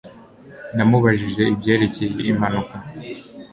Namubajije ibyerekeye impanuka